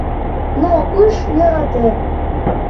Но ыш йӧрате